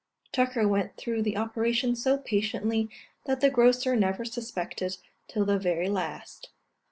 Tucker went through the operation so patiently, that the grocer never suspected till the very last.